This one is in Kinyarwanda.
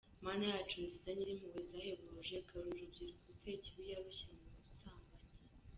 Mana yacu nziza Nyirimpuhwe zahebuje garura urubyiruko sekibi yaroshye mu busambanyi.